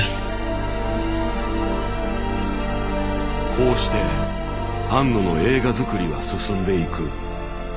こうして庵野の映画作りは進んでいく。